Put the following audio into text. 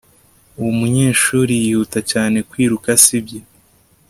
Uwo munyeshuri yihuta cyane kwiruka sibyo